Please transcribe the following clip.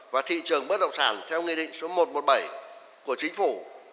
và thị trường bất động sản theo nghị định số một trăm một mươi bảy của chính phủ